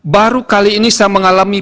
baru kali ini saya mengalami